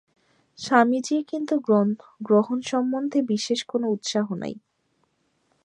স্বামীজীর কিন্তু গ্রহণসম্বন্ধে বিশেষ কোন উৎসাহ নাই।